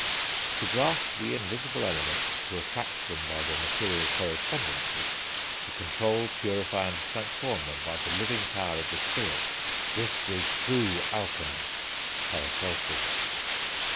"To grasp the invisible elements, to attract them by their material correspondences, to control, purify, and transform them by the living power of the Spirit this is true Alchemy." (Paracelsus.)